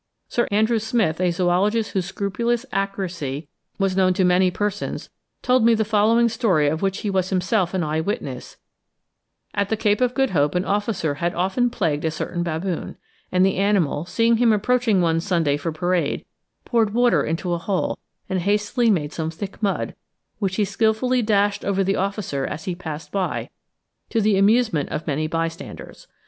Sir Andrew Smith, a zoologist whose scrupulous accuracy was known to many persons, told me the following story of which he was himself an eye witness; at the Cape of Good Hope an officer had often plagued a certain baboon, and the animal, seeing him approaching one Sunday for parade, poured water into a hole and hastily made some thick mud, which he skilfully dashed over the officer as he passed by, to the amusement of many bystanders.